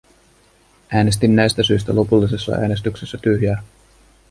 Äänestin näistä syistä lopullisessa äänestyksessä tyhjää.